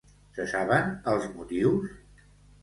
Se saben els motius?